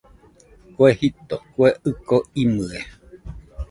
Kue jito, kue ɨko imɨe